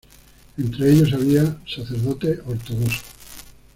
Entre ellos había sacerdotes ortodoxos.